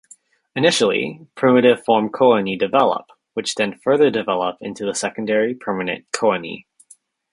Initially, primitive-form choanae develop, which then further develop into the secondary, permanent choanae.